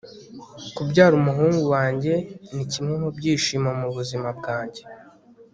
kubyara umuhungu wanjye nikimwe mubyishimo mubuzima bwanjye